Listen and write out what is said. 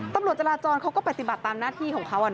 ตำรวจจราจรเขาก็ปฏิบัติตามหน้าที่ของเขา